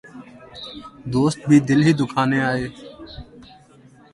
دوست بھی دل ہی دکھانے آئے